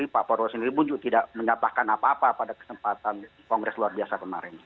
pak prabowo sendiri pun juga tidak mendapatkan apa apa pada kesempatan kongres luar biasa kemarin